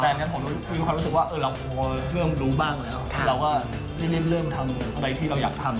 แต่อันนี้ผมมีความรู้สึกว่าเราพอเริ่มรู้บ้างแล้วเราก็ได้เริ่มทำอะไรที่เราอยากทำ